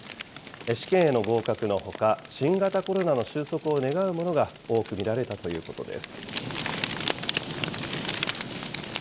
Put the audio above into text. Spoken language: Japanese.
試験への合格のほか、新型コロナの終息を願うものが多く見られたということです。